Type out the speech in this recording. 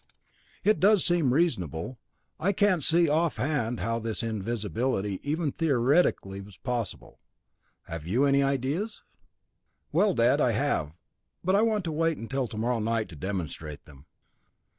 "It does seem reasonable. I can't see off hand how his invisibility is even theoretically possible. Have you any ideas?" "Well, Dad, I have, but I want to wait till tomorrow night to demonstrate them.